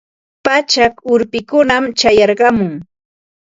Pachak urpikunam chayarqamun.